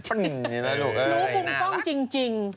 รูภูมิฟ่องจริง